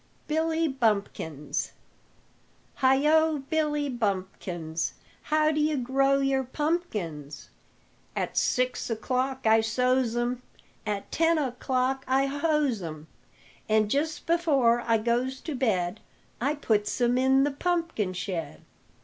BILLY BUMPKINS Heigho, Billy Bumpkins, How d' you grow your pumpkins? "At six o'clock I sows 'em, At ten o'clock I hoes 'em, An' jes before I goes to bed I puts 'em in the pumpkin shed."